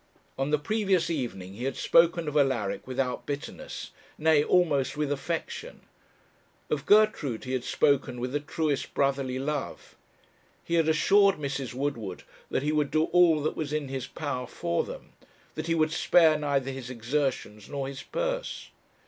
On the previous evening he had spoken of Alaric without bitterness, nay, almost with affection; of Gertrude he had spoken with the truest brotherly love; he had assured Mrs. Woodward that he would do all that was in his power for them; that he would spare neither his exertions nor his purse.